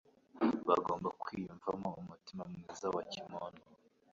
Bagomba kwiyumvamo umutima mwiza wakimuntu.